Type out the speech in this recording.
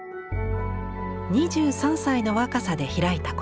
２３歳の若さで開いた個展。